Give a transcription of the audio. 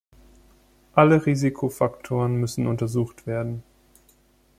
Alle Risikofaktoren müssen untersucht werden.